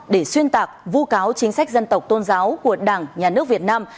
để xuyên tạc vu cáo chính sách dân tộc tôn giáo của đảng nhà nước việt nam